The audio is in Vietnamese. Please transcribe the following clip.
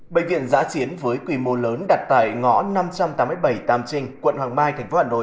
bệnh viện giã chiến với quy mô lớn đặt tại ngõ năm trăm tám mươi bảy tam trinh quận hoàng mai tp hà nội